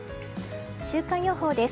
週間予報です。